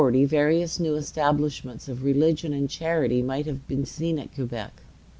In the year 1640, various new establishments of religion and charity might have been seen at Quebec.